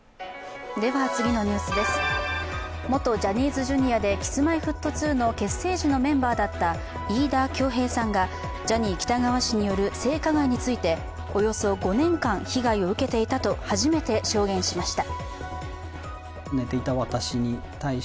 元ジャニーズＪｒ．でＫｉｓ−Ｍｙ−Ｆｔ２の結成時のメンバーだった飯田恭平さんが、ジャニー喜多川氏による性加害について、およそ５年間、被害を受けていたと初めて証言しました。